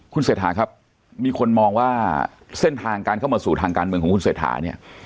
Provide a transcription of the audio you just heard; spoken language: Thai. คุณเศรษฐาครับมีคนมองว่าเส้นทางการเข้ามาสู่ทางการเมืองของคุณเศรษฐาเนี่ย